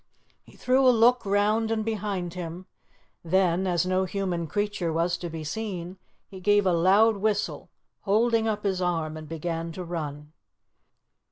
He threw a look around and behind him; then, as no human creature was to be seen, he gave a loud whistle, holding up his arm, and began to run.